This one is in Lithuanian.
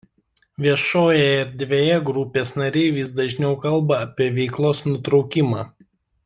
Viešoje erdvėje grupės nariai vis dažniau kalba apie veiklos nutraukimą.